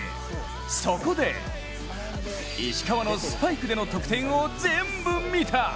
そこで石川のスパイクでの得点を全部見た！